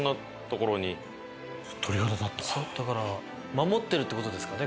守ってるって事ですかね？